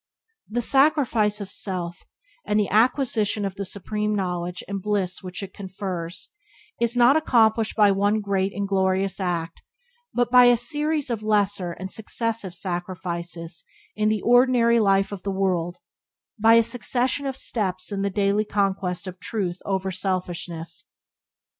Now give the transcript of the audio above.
The sacrifice of self, and the acquisition of the supreme knowledge and bliss which it confers, is not accomplished by one great and glorious act but by a series of lesser and successive sacrifices in the ordinary life of the world, by a succession of steps in the daily conquest of Truth over selfishness.